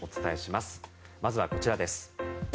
まずはこちらです。